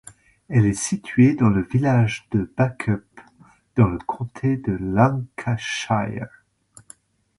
Elle est située dans le village de Bacup, dans le comté de Lancashire.